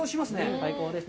最高です。